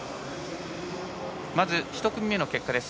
まず１組目の結果です。